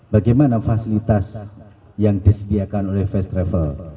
bagaimana fasilitas yang disediakan oleh first travel